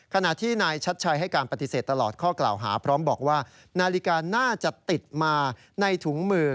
ขณะที่นายชัดชัยให้การปฏิเสธตลอดข้อกล่าวหาพร้อมบอกว่านาฬิกาน่าจะติดมาในถุงมือ